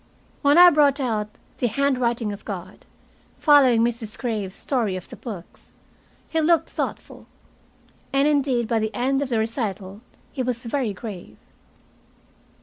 When I brought out "The Handwriting of God," following Mrs. Graves's story of the books, he looked thoughtful. And indeed by the end of the recital he was very grave.